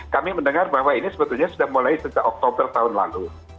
kami mendengar bahwa ini sebetulnya sudah mulai sejak oktober tahun lalu